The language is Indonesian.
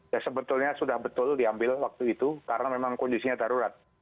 ya sebetulnya sudah betul diambil waktu itu karena memang kondisinya darurat